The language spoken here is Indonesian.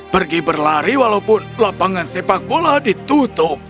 pergi berlari walaupun lapangan sepak bola ditutup